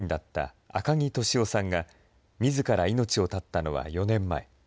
夫で、近畿財務局の職員だった赤木俊夫さんが、みずから命を絶ったのは４年前。